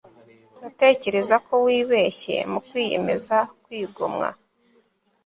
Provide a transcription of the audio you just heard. Ndatekereza ko wibeshye mu kwiyemeza kwigomwa